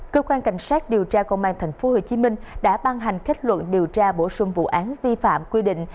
cơ quan cảnh sát điều tra công an tp hcm đã ban hành kết luận điều tra bổ sung vụ án vi phạm quy định